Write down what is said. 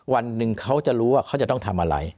วันหนึ่งเขาจะรู้ว่าเขาจะต้องทำอะไร